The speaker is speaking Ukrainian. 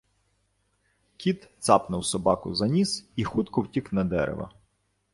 Кіт цапнув собаку за ніс і хутко втік на дерево